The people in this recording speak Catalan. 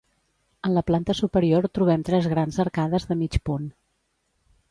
En la planta superior trobem tres grans arcades de mig punt.